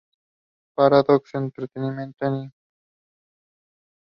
The advisory work of the foundation led to some successes.